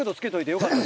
よかった。